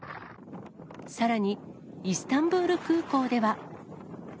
さらに、イスタンブール空港では。